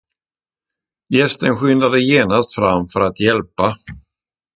Gästen skyndade genast fram för att hjälpa.